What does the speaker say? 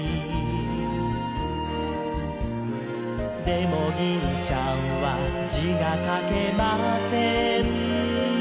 「でも銀ちゃんは字が書けません」